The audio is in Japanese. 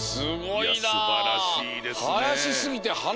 いやすばらしいですねえ。